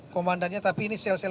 komandannya tapi ini sel sel